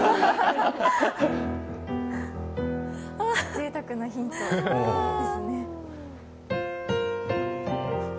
ぜいたくなヒントですね。